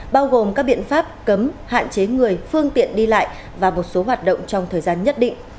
bao gồm các biện pháp cấm hạn chế người phương tiện đi lại và một số hoạt động trong thời gian nhất định